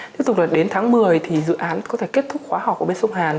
tiếp tục là đến tháng một mươi thì dự án có thể kết thúc khóa học ở bên sông hàn